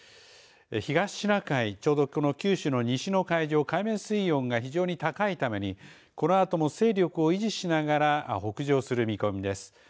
東シナ海、ちょうどこの九州の西の海上、海面水温が非常に高いためにこのあとも勢力を維持しながら北上する見込みです。